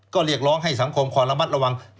ก็เรียกร้องให้สังคมคอยระมัดระวัง